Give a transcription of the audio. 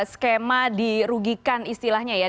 skema dirugikan istilahnya ya